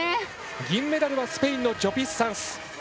銀メダルはスペインのジョピスサンス。